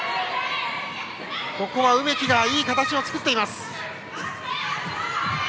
ここは梅木がいい形を作っている。